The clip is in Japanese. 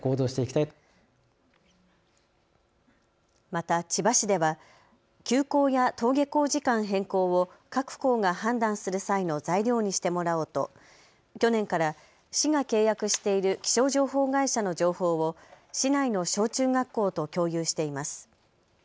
また千葉市では休校や登下校時間変更を各校が判断する際の材料にしてもらおうと去年から市が契約している気象情報会社の情報を市内の小中学校と共有しています。